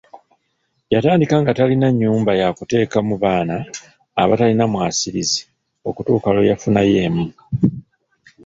Yatandika nga talina nnyumba yakuteekamu baana abatalina mwasiriza okutuuka lwe yafunayo emu.